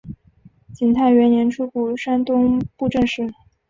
景泰元年出补山东布政使。